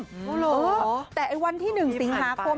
อ๋อเหรอนี่ผ่านไปแล้วแต่วันที่๑สีหาคม